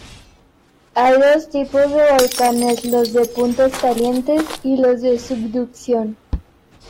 Hay dos tipos de volcanes: los de puntos calientes y los de subducción.